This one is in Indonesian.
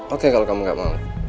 oke kalau kamu gak mau